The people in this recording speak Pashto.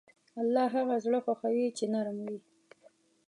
الله هغه زړه خوښوي چې نرم وي.